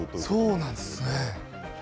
そうなんですね。